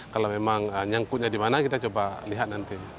kalau memang nyangkutnya dimana kita coba lihat nanti